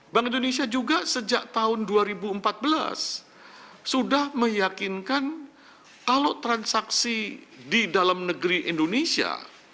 bank indonesia juga sejak tahun dua ribu empat belas sudah meyakinkan kalau transaksi di dalam negeri indonesia